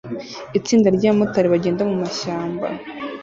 Itsinda ryabamotari bagenda mumashyamba